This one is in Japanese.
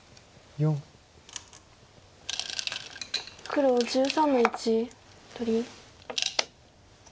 黒１３の一取り。